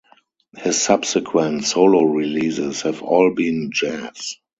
His subsequent solo releases have all been jazz.